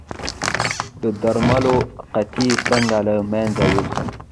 د درملو قطۍ څنګه له منځه یوسم؟